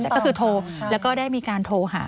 ก็คือโทรแล้วก็ได้มีการโทรหา